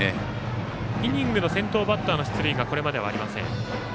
イニングの先頭バッターの出塁がこれまでありません。